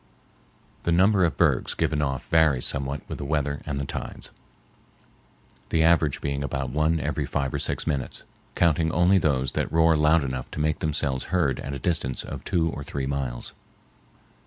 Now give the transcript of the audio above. The number of bergs given off varies somewhat with the weather and the tides, the average being about one every five or six minutes, counting only those that roar loud enough to make themselves heard at a distance of two or three miles.